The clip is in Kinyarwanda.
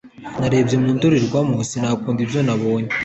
narebye mu ndorerwamo sinakunda ibyo nabonye